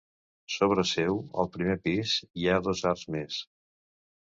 Sobre seu, al primer pis, hi ha dos arcs més.